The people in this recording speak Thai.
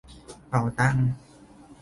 เป๋าตัง